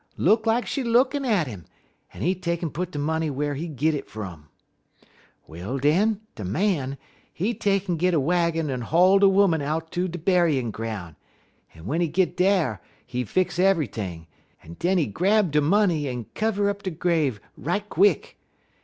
Look like she lookin' at 'im, en he take'n put de money whar he git it fum. "Well, den, de Man, he take'n git a waggin en haul de 'Oman out ter de buryin' groun', en w'en he git dar he fix ever'thing, en den he grab de money en kivver up de grave right quick.